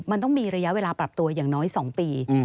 มันต้องมีระยะเวลาปรับตัวอย่างน้อย๒ปี